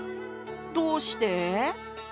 どうして？